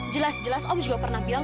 jelas jelas om juga pernah bilang